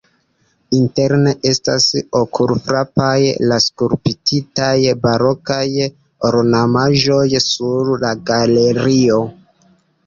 Interne estas okulfrapaj la skulptitaj barokaj ornamaĵoj sur la galerio.